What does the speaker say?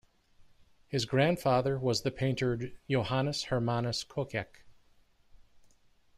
His grandfather was the painter Johannes Hermanus Koekkoek.